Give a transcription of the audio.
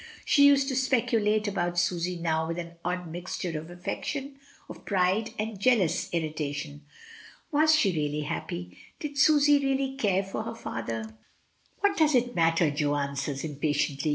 She used to speculate about Susy now with an odd mixture of affection, of pride, and jealous irritation. "Was she really happy? did Susy really care for her father?" "What does it matter?" Jo answers, impatiently.